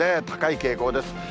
高い傾向です。